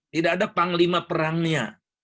tidak ada panglima perangnya